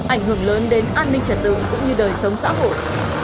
ảnh hưởng lớn đến an ninh trả tương cũng như đời sống xã hội